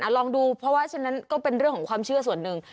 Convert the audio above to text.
ลองดูเพราะว่าฉะนั้นก็เป็นเรื่องของความเชื่อส่วนหนึ่ง